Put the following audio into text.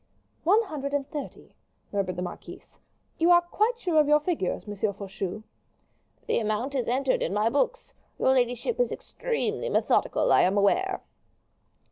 "One hundred and thirty," murmured the marquise. "You are quite sure of your figures, M. Faucheux?" "The amount is entered in my books. Your ladyship is extremely methodical, I am aware."